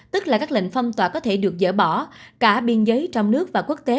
tức là các lệnh phong tỏa có thể được dỡ bỏ cả biên giới trong nước và quốc tế